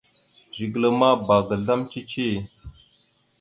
Zigəla ma bba ga azlam cici.